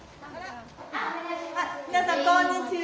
皆さんこんにちは。